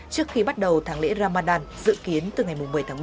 trước khi bắt đầu tháng lễ ramadan dự kiến từ ngày một mươi một